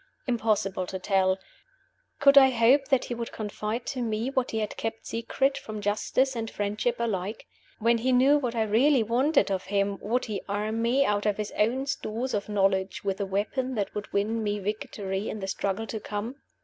Impossible to tell! Could I hope that he would confide to Me what he had kept secret from Justice and Friendship alike? When he knew what I really wanted of him, would he arm me, out of his own stores of knowledge, with the weapon that would win me victory in the struggle to come?